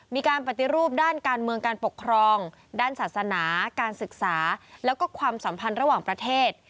มีการปฏิรูปด้านการเมืองการปกครองด้านศาสนาการศึกษาแล้วก็ความสัมพันธ์ระหว่างประเทศ